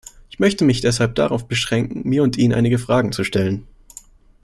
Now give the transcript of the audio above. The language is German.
Ich möchte mich deshalb darauf beschränken, mir und Ihnen einige Fragen zu stellen.